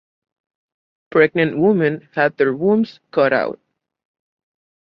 Pregnant women had their wombs cut out.